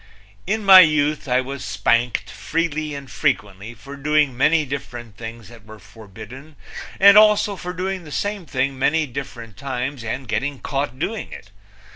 In my youth I was spanked freely and frequently for doing many different things that were forbidden, and also for doing the same thing many different times and getting caught doing it.